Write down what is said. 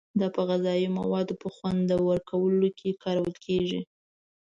دا په غذایي موادو په خوندور کولو کې کارول کیږي.